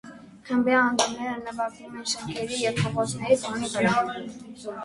Խմբի անդամները նվագում են շենքերի և փողոցների ֆոնի վրա։